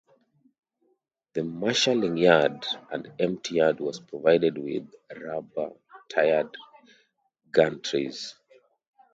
The marshaling yard and empty yard was provided with rubber tyred gantries.